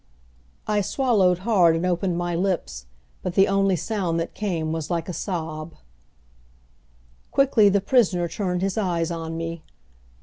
I swallowed hard and opened my lips, but the only sound that came was like a sob. Quickly the prisoner turned his eyes on me.